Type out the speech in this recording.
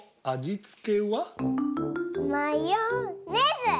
マヨネーズ！